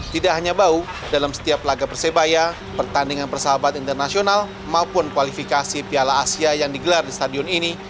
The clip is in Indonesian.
tidak hanya bau dalam setiap laga persebaya pertandingan persahabat internasional maupun kualifikasi piala asia yang digelar di stadion ini